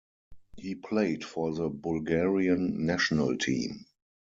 He played for the Bulgarian national team.